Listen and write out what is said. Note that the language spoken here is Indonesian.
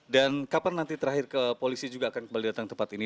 dan kapan nanti terakhir kepolisi juga akan kembali datang ke tempat ini